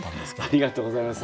ありがとうございます。